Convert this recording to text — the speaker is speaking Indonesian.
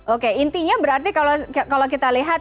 oke intinya berarti kalau kita lihat